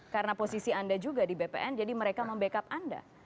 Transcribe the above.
karena posisi anda juga di bpn jadi mereka membackup anda